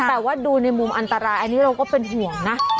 แต่ว่าดูในมุมอันตรายอันนี้เราก็เป็นห่วงนะ